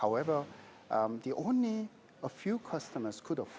hanya beberapa pelanggan dapat mencoba